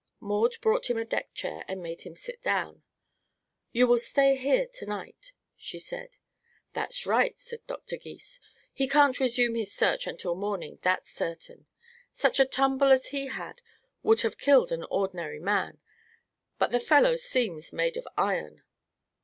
Maud brought him a deck chair and made him sit down. "You will stay here to night," she said. "That's right," said Dr. Gys. "He can't resume his search until morning, that's certain. Such a tumble as he had would have killed an ordinary man; but the fellow seems made of iron."